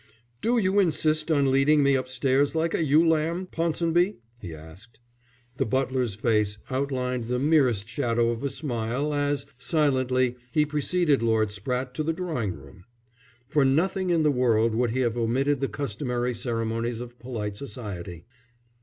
"Do you insist on leading me upstairs like a ewe lamb, Ponsonby?" he asked. The butler's face outlined the merest shadow of a smile as, silently, he preceded Lord Spratte to the drawing room. For nothing in the world would he have omitted the customary ceremonies of polite society.